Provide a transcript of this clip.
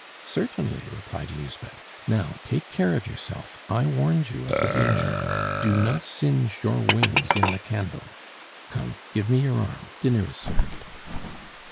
"Certainly," replied Lisbeth. "Now, take care of yourself; I warned you of the danger; do not singe your wings in the candle! Come, give me your arm, dinner is served."